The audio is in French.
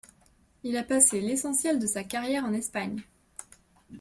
Il a passé l'essentiel de sa carrière en Espagne.